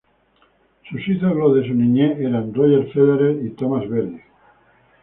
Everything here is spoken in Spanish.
Sus ídolos de su niñez eran Roger Federer y Tomáš Berdych.